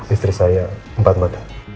istri saya empat badan